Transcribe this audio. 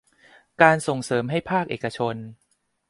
การส่งเสริมให้ภาคเอกชน